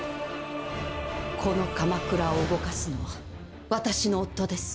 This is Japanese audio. この鎌倉を動かすのは私の夫です。